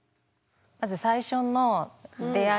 まず最初の出会い。